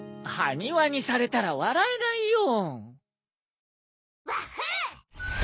埴輪にされたら笑えないよ。